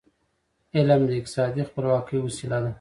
علم د اقتصادي خپلواکی وسیله ده.